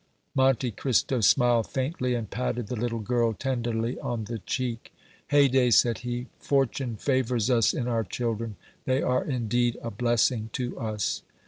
Monte Cristo smiled faintly, and patted the little girl tenderly on the cheek. "Haydée," said he, "fortune favors us in our children; they are, indeed, a blessing to us."